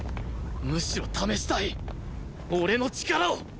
むしろ試したい俺の力を！